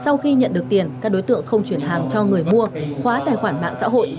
sau khi nhận được tiền các đối tượng không chuyển hàng cho người mua khóa tài khoản mạng xã hội